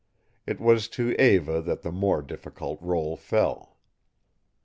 It was to Eva that the more difficult role fell.